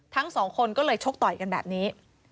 ทั้งสองคนก็เลยชกต่อยกันแบบนี้